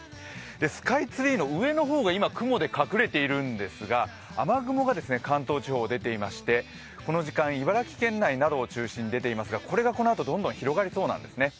スカイツリーの上の方が今、雲で隠れているんですが雨雲が関東地方、出ていまして、この時間、茨城県内などを中心に出ていますがこれがこのあと、どんどん広がりそうなんですね。